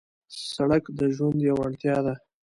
سړک د ژوند یو اړتیا ده.